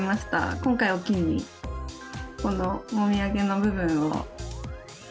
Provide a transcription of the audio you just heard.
今回を機に、このもみあげの部分を。